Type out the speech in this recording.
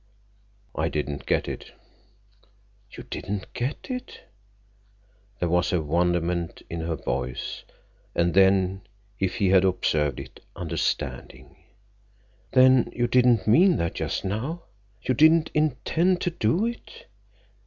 "I didn't get it." "You didn't get it?" There was wonderment in her voice, and then, if he had observed it, understanding. "Then you didn't mean that just now? You didn't intend to do it?